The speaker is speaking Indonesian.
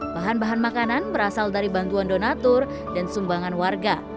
bahan bahan makanan berasal dari bantuan donatur dan sumbangan warga